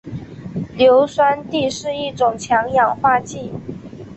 硫酸锑是一种强氧化剂。